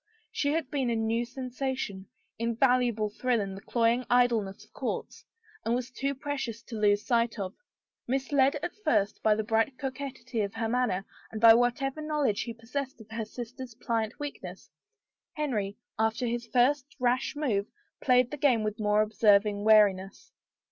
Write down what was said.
She had been a new sensation — invaluable thrill in the cloying idleness of courts! — and was too precious to be lost sight of. Misled at first by the bright coquetry of her manner, and by whatever knowledge he possessed of her sister's pliant weakness, Henry, after 66 HOPE RENEWED his first rash move, played the game with more observing wariness.